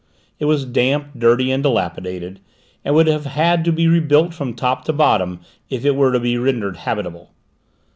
It was damp, dirty, and dilapidated, and would have had to be rebuilt from top to bottom if it were to be rendered habitable.